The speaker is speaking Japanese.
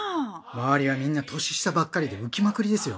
周りはみんな年下ばっかりで浮きまくりですよ。